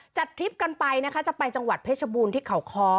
ทริปกันไปนะคะจะไปจังหวัดเพชรบูรณ์ที่เขาค้อ